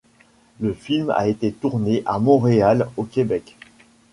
Le film a été tourné à Montréal, au Québec.